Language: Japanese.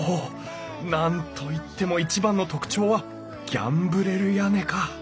何と言っても一番の特徴はギャンブレル屋根か。